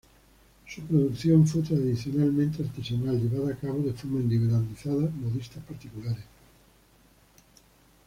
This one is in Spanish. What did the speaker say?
Su producción fue tradicionalmente artesanal, llevada a cabo de forma individualizada modistas particulares.